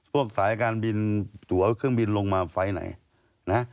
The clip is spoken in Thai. พวกสายการบินตั๋วเครื่องบินลงมาไฟไหน